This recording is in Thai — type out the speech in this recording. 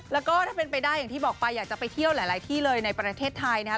แล้วก็ถ้าเป็นไปได้อย่างที่บอกไปอยากจะไปเที่ยวหลายที่เลยในประเทศไทยนะครับ